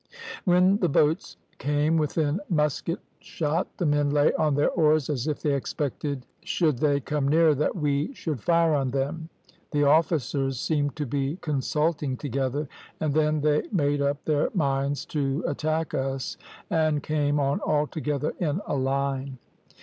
When the boats came within musket shot, the men lay on their oars as if they expected should they come nearer that we should fire on them the officers seemed to be consulting together and then they made up their minds to attack us, and came on altogether in a line.